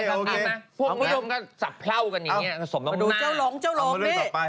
อยู่ทาวน์ใหญ่กว่าน้ำพ่วนอีก